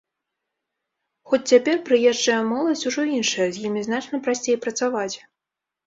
Хоць цяпер прыезджая моладзь ужо іншая, з імі значна прасцей працаваць.